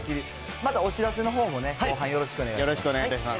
またお知らせのほうもね、後半よよろしくお願いいたします。